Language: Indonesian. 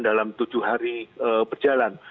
dalam tujuh hari berjalan